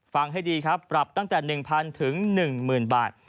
ฟังให้ดีครับปรับตั้งแต่๑๐๐ถึง๑๐๐บาท